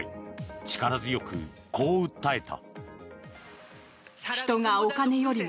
力強く、こう訴えた。